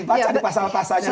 pak ada pasal pasalnya